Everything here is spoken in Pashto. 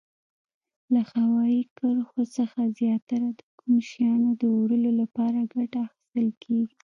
له هوایي کرښو څخه زیاتره د کوم شیانو د وړلو لپاره ګټه اخیستل کیږي؟